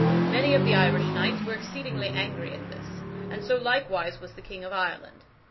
Many of the Irish knights were exceedingly angry at this, and so likewise was the King of Ireland.